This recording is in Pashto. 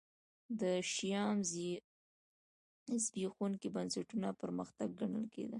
د شیام زبېښونکي بنسټونه پرمختګ ګڼل کېده.